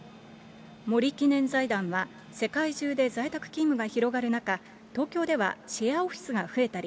森記念財団は、世界中で在宅勤務が広がる中、東京ではシェアオフィスが増えたり、